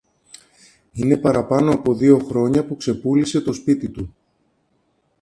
Είναι παραπάνω από δυο χρόνια που ξεπούλησε το σπίτι του